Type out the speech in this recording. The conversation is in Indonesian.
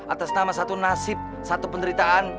atas nama satu nasib satu penderitaan